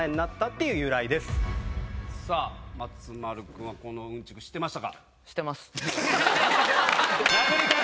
さぁ松丸君はこのうんちく知ってましたか？